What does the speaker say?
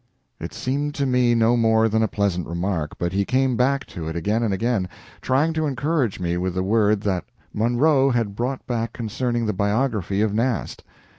It seemed to me no more than a pleasant remark, but he came back to it again and again, trying to encourage me with the word that Munro had brought back concerning the biography of Nast.